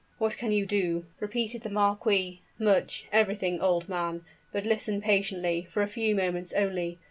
"What can you do?" repeated the marquis: "much everything, old man! But listen patiently, for a few moments only.